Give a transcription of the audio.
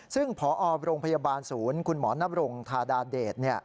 ซึ่งพอโรงพยาบาลศูนย์คุณหมอนบรงธาดาเดช